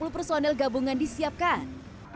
lima puluh personel gabungan disiapkan